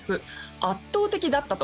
圧倒的だったと。